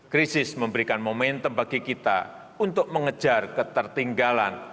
krisis memberikan momentum bagi kita untuk mengejar ketertinggalan